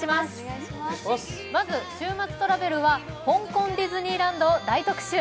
まず「週末トラベル」は香港ディズニーランドを大特集。